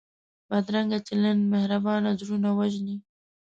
بدرنګه چلند مهربان زړونه وژني